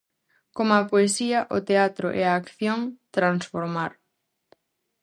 Coma a poesía, o teatro é acción, transformar.